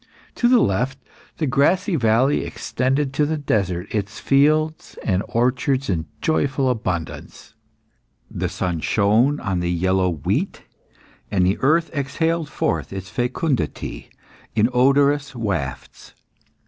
To the left, the grassy valley extended to the desert its fields and orchards in joyful abundance; the sun shone on the yellow wheat, and the earth exhaled forth its fecundity in odorous wafts.